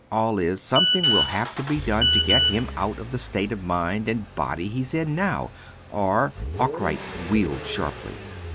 All is, something will have to be done to get him out of the state of mind and body he's in now, or " Arkwright wheeled sharply.